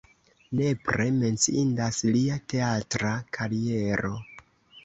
Nepre menciindas lia teatra kariero.